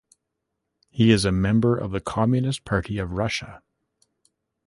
He is a member of the Communist Party of Russia.